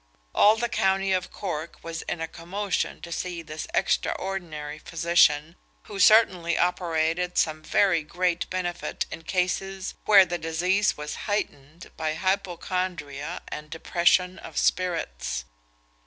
All the county of Cork was in a commotion to see this extraordinary physician, who certainly operated some very great benefit in cases where the disease was heightened by hypochondria and depression of spirits.